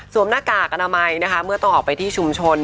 หน้ากากอนามัยนะคะเมื่อต้องออกไปที่ชุมชน